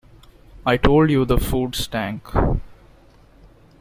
I told you the food stank.